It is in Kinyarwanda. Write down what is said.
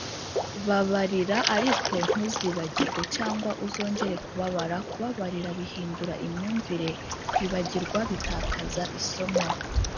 babarira ariko ntuzibagirwe, cyangwa uzongera kubabara kubabarira bihindura imyumvire kwibagirwa bitakaza isomo